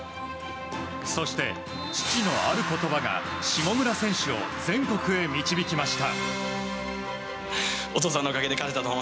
そして、父のある言葉が下村選手を全国へ導きました。